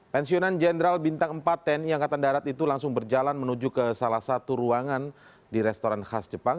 pensionan jenderal bintang empat ratus sepuluh yang katan darat itu langsung berjalan menuju ke salah satu ruangan di restoran khas jepang